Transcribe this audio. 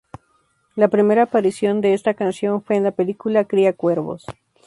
La primera aparición de esta canción fue en la película "Cría cuervos".